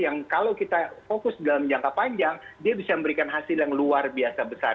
yang kalau kita fokus dalam jangka panjang dia bisa memberikan hasil yang luar biasa besar